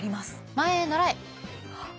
前ならえ。